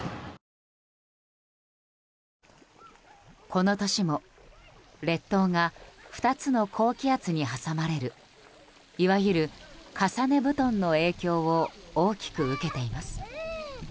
この年も列島が２つの高気圧に挟まれるいわゆる重ね布団の影響を大きく受けています。